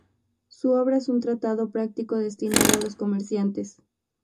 Su obra es un tratado práctico destinado a los comerciantes.